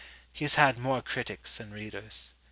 He has had more critics than readers.